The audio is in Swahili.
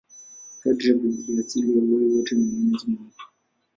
Kadiri ya Biblia, asili ya uhai wote ni Mwenyezi Mungu.